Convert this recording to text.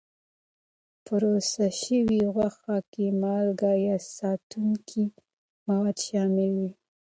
پروسس شوې غوښې کې مالکه یا ساتونکي مواد شامل وي.